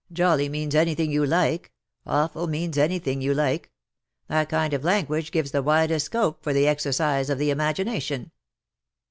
Jolly means anything you like — awful means anything you like. That kind of language gives the widest scope for the exercise of the imagination."